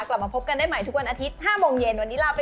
เกือบ๒ปีแล้วครับ